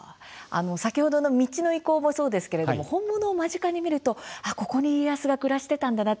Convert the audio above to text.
先ほどの道の遺構もそうですけれども本物を間近に見ると、ここに家康が暮らしてたんだなって